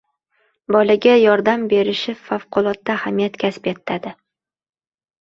– bolaga yordam berishi favqulodda ahamiyat kasb etadi.